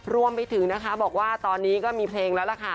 รวมไปถึงนะคะบอกว่าตอนนี้ก็มีเพลงแล้วล่ะค่ะ